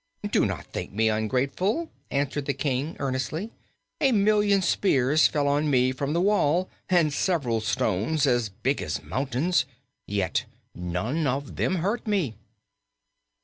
"Do not think me ungrateful," answered the King earnestly. "A million spears fell on me from the wall, and several stones as big as mountains, yet none of them hurt me!"